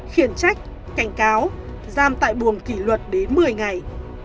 khiển trách cảnh cáo giam tại buồng kỷ luật đến một mươi ngày